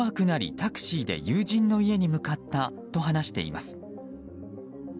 タクシーで友人の家に向かったと話しています。